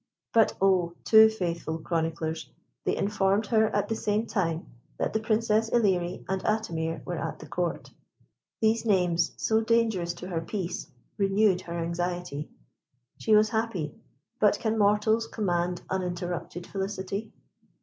But, oh! too faithful chroniclers, they informed her at the same time that the Princess Ilerie and Atimir were at the Court. These names, so dangerous to her peace, renewed her anxiety. She was happy; but can mortals command uninterrupted felicity?